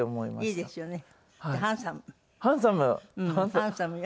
ハンサムよ。